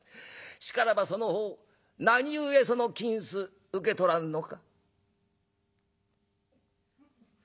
しからばその方何故その金子受け取らんのか」。